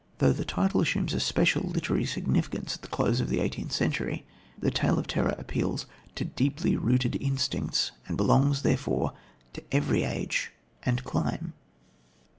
Though the title assumes a special literary significance at the close of the eighteenth century, the tale of terror appeals to deeply rooted instincts, and belongs, therefore, to every age and clime.